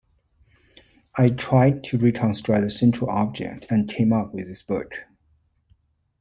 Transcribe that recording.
I tried to reconstruct the central object, and came up with this book.